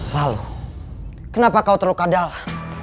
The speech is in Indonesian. lalu kenapa kau terluka darah